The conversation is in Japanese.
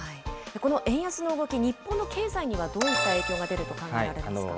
この円安の動き、日本の経済にはどういった影響が出ると考えられますか。